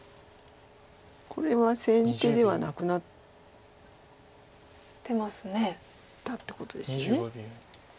これは先手ではなくなったっていうことですよね。